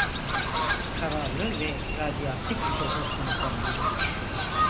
Kararlı ve radyoaktif izotoplardan biridir.